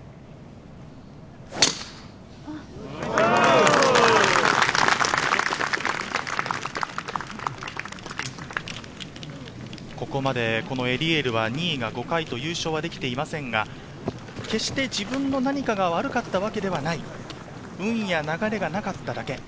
をここまでエリエールは２位が５回と優勝できていませんが、決して、自分の何かが悪かったわけではない、運や流れがなかっただけ。